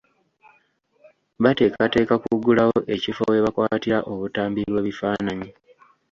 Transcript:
Bateekateeka kuggulawo ekifo we bakwatira obutambi bw'ebifaananyi.